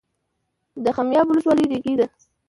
د خمیاب ولسوالۍ ریګي ده